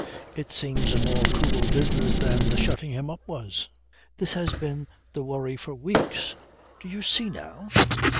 It seems a more cruel business than the shutting him up was. This has been the worry for weeks. Do you see now?"